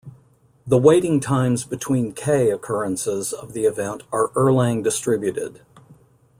The waiting times between "k" occurrences of the event are Erlang distributed.